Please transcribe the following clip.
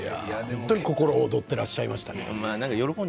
心躍ってらっしゃいました。